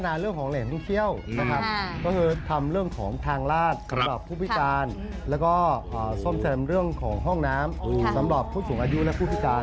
พัฒนาเรื่องของเหล่นพรุ่งเคี้ยวก็คือทำเรื่องของทางราชสำหรับผู้พิการแล้วก็ส่วนแสดงเรื่องของห้องน้ำสำหรับผู้สูงอายุและผู้พิการ